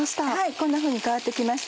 こんなふうに変わって来ましたね。